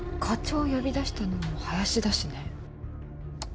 課長を呼び出したのも林だしね。